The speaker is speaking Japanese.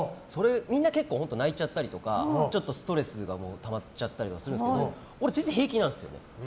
みんな結構泣いちゃったりとかちょっとストレスがたまっちゃったりするんですけど俺は全然平気なんです。